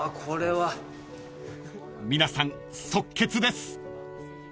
［皆さん即決です］